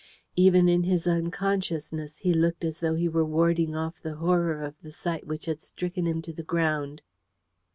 Even in his unconsciousness he looked as though he were warding off the horror of the sight which had stricken him to the ground.